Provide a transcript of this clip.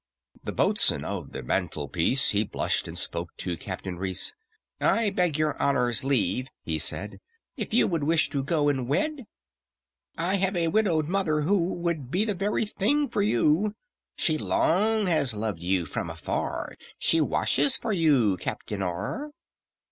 The boatswain of The Mantelpiece, He blushed and spoke to CAPTAIN REECE: "I beg your honour's leave," he said; "If you would wish to go and wed, "I have a widowed mother who Would be the very thing for you— She long has loved you from afar: She washes for you, CAPTAIN R."